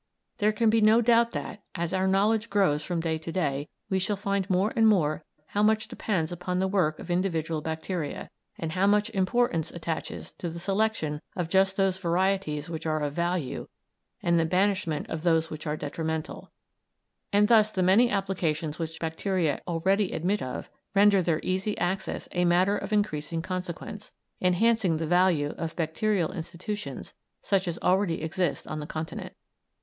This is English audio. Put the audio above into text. There can be no doubt that, as our knowledge grows from day to day, we shall find more and more how much depends upon the work of individual bacteria, and how much importance attaches to the selection of just those varieties which are of value, and the banishment of those which are detrimental; and thus the many applications which bacteria already admit of render their easy access a matter of increasing consequence, enhancing the value of bacterial institutions such as already exist on the Continent.